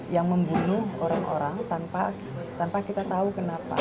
yang membunuh orang orang tanpa kita tahu kenapa